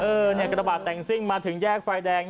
เนี่ยกระบาดแต่งซิ่งมาถึงแยกไฟแดง